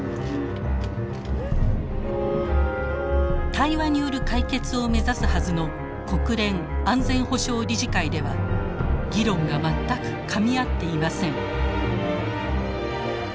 対話による解決を目指すはずの国連安全保障理事会では議論が全くかみ合っていません。